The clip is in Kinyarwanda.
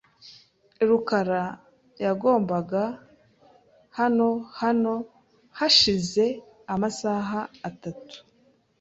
rukara yagombaga hano hano hashize amasaha atatu .